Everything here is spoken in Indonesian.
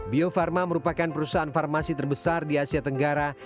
bio farma merupakan perusahaan farmasi terbesar di asia tenggara